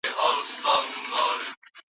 نه د چا د میني نه د زلفو بندیوان یمه